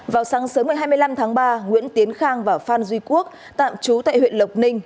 vào sáng sớm ngày hai mươi năm tháng ba nguyễn tiến khang và phan duy quốc tạm trú tại huyện lộc ninh